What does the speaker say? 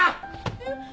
えっ？